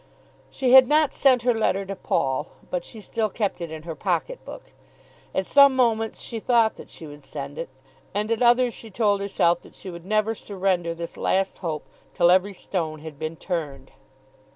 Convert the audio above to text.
She had not sent her letter to Paul, but she still kept it in her pocket book. At some moments she thought that she would send it; and at others she told herself that she would never surrender this last hope till every stone had been turned.